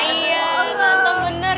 iya tante bener